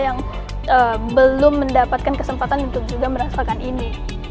yang belum mendapatkan kesempatan untuk juga merasakan ini